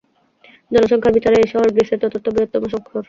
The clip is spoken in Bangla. জনসংখ্যার বিচারে এই শহর গ্রিসের চতুর্থ বৃহত্তম শহর।